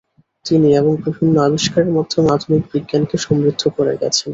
তিনি এবং বিভিন্ন আবিষ্কারের মাধ্যমে আধুনিক বিজ্ঞানকে সমৃদ্ধ করে গেছেন।